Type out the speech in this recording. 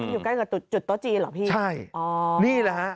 อยู่ใกล้กับจุดโต๊ะจีนหรือครับพี่อ๋อใช่นี่แหละฮะ